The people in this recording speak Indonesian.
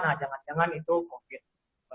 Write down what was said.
nah jangan jangan itu covid sembilan belas